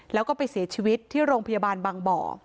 แล้วก็ไปเสียชีวิตที่โรงพยาบาลบางบ่อ